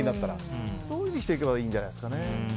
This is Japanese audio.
そういうふうにしていけばいいですかね。